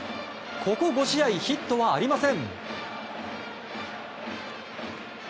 ここ５試合ヒットはありません。